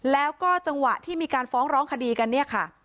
แล้วก็จังหวะที่มีการฟ้องร้องคดีกันเนี่ยค่ะ